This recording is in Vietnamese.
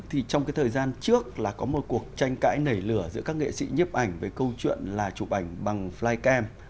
thì trong cái thời gian trước là có một cuộc tranh cãi nảy lửa giữa các nghệ sĩ nhấp ảnh về câu chuyện là chụp ảnh bằng flycam